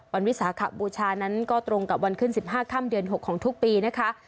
วิสาขบูชานั้นก็ตรงกับวันขึ้น๑๕ค่ำเดือน๖ของทุกปีนะคะ